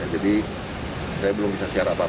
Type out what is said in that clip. jadi saya belum bisa siar apa apa juga